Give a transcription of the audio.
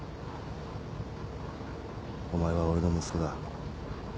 お前は俺の息子だ。